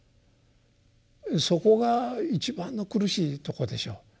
そこが一番の苦しいとこでしょう。